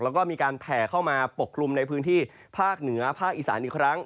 แล้วก็มีการแผ่เข้ามาปกกลุ่มในพื้นที่ภาคเหนือภาคอีสานอีกครั้ง